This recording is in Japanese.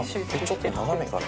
ちょっと斜めから。